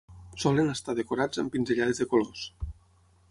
Solen estar decorats amb pinzellades de colors.